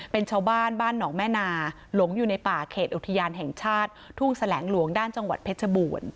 เป็นชาวบ้านบ้านหนองแม่นาหลงอยู่ในป่าเขตอุทยานแห่งชาติทุ่งแสลงหลวงด้านจังหวัดเพชรบูรณ์